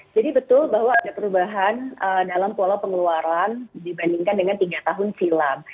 jadi betul bahwa ada perubahan dalam pola pengeluaran dibandingkan dengan tiga tahun silam